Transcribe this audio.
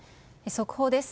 速報です。